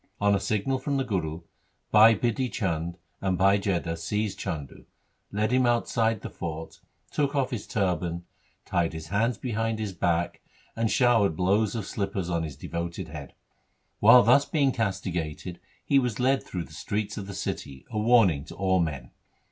On a signal from the Guru, Bhai Bidhi Chand and Bhai Jetha seized Chandu, led him outside the fort, took off his turban, tied his hands behind his back, and showered blows of slippers on his devoted head. While being thus castigated he was led through the streets of the city, a warning to all men.